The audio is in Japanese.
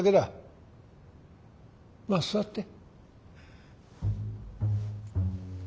まあ座って。